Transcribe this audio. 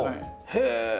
へえ。